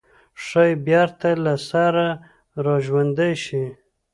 ښايي بېرته له سره راژوندي شي.